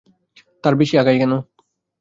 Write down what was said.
তার বেশি আগাই কেন?